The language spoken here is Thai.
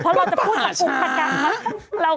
ก็ป่าช้า